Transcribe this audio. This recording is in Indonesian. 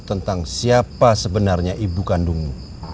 tentang siapa sebenarnya ibu kandungmu